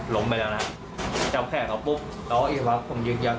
ล้มไปแล้วนะครับจับแขนเขาปุ๊บแล้วก็อีกครั้งผมยึกยัก